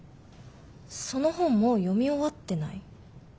その本もう読み終わってない？